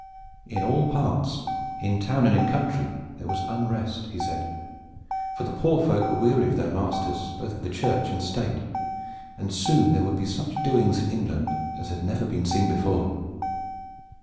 In all parts in town and in country there was unrest, he said; for the poor folk were weary of their masters both of the Church and State, and soon there would be such doings in England as had never been seen before.